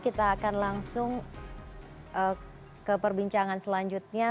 kita akan langsung ke perbincangan selanjutnya